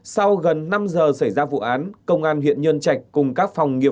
sau gần năm giờ xảy ra vụ án công an huyện nhân trạch cùng các phòng nhân viên